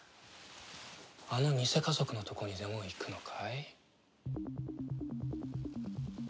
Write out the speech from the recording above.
あのニセ家族のとこにでも行くのかい？